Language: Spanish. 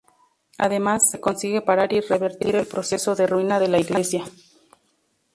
Además, se consigue parar y revertir el proceso de ruina de la iglesia.